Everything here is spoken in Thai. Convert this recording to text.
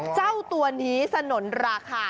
เจ้าตัวนี้สนุนราคา